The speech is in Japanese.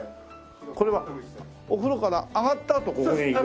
これはお風呂から上がったあとここに行くの？